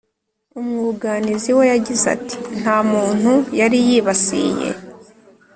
umwuganizi we yagize ati: “nta muntu yari yibasiye,